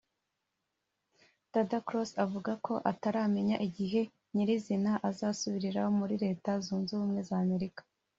Dada Cross avuga ko ataramenya igihe nyirizina azasubirira muri Leta Zunze Ubumwe z’Amerika